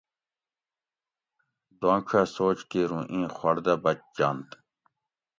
دونڄ اۤ سوچ کِیر اُوں ایں خوڑ دہ بچجنت